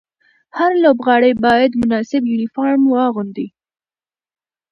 هر لوبغاړی باید مناسب یونیفورم واغوندي.